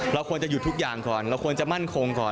เราควรจะหยุดทุกอย่างก่อนเราควรจะมั่นคงก่อน